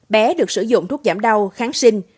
bé được sử dụng thuốc giảm đau kháng sinh